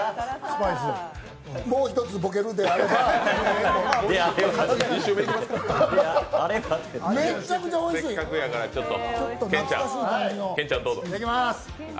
もう一つボケるんであればめちゃくちゃおいしい、懐かしい感じの。